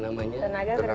tenaga kontrak harian lepas